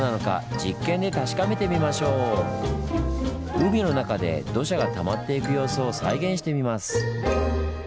海の中で土砂がたまっていく様子を再現してみます。